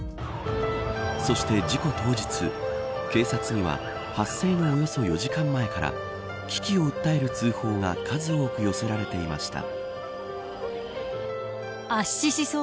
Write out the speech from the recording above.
そして事故当日、警察には発生のおよそ４時間前から危機を訴える通報が数多く寄せられていました。